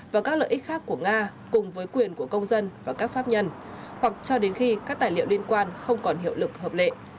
và các lợi ích khác của nga cùng với quyền của công dân và các pháp nhân hoặc cho đến khi các tài liệu liên quan không còn hiệu lực hợp lệ